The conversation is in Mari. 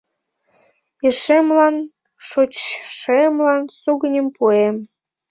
Ешемлан, шочшемлан сугыньым пуэм: